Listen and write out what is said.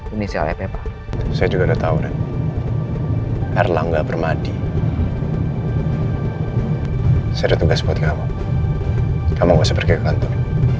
ini saya juga udah tahu dan erlangga bermadi saya tugas buat kamu kamu bisa pergi kantor